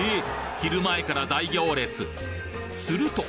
昼前から大行列すると！